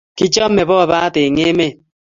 Kichomei bobat eng emet